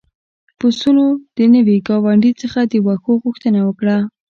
پسونو د نوي ګاونډي څخه د واښو غوښتنه وکړه.